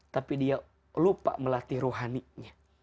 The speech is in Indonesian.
tapi dia lupa melatih rohaninya